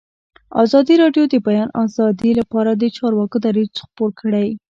ازادي راډیو د د بیان آزادي لپاره د چارواکو دریځ خپور کړی.